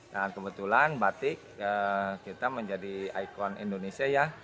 nah kebetulan batik kita menjadi ikon indonesia ya